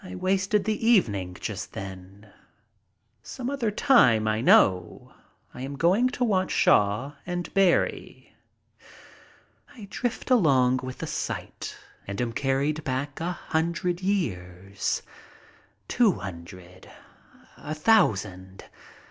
I wasted the evening just then. Some other time, I know, I am going to want Shaw and Barrie. I drift along with the sight and am carried back a hun dred years, two hundred, a thousand.